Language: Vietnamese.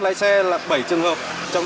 lái xe là bảy trường hợp trong